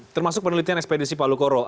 termasuk penelitian ekspedisi pak lukoro